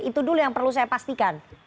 itu dulu yang perlu saya pastikan